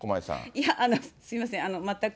いや、すみません、全く。